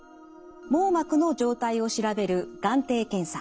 網膜の状態を調べる眼底検査。